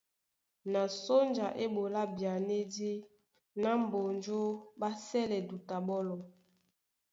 Na sónja é ɓolá byanédí ná Mbonjó ɓá sɛ́lɛ duta ɓɔ́lɔ.